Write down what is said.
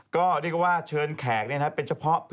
ก็เรียกว่าเชิญแขกเป็นเฉพาะ